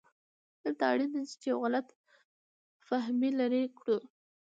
دلته اړینه ده چې یو غلط فهمي لرې کړو.